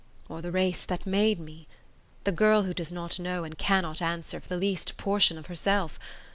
or the race that made me? The girl who does not know and cannot answer for the least portion of herself?